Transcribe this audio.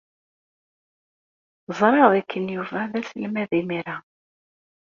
Ẓriɣ dakken Yuba d aselmad imir-a.